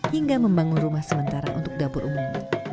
hingga membangun rumah sementara untuk dapur umum